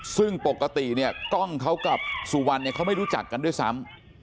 ซึ่งปกติเนี่ยกล้องเขากับสุวรรณเนี่ยเขาไม่รู้จักกันด้วยซ้ำ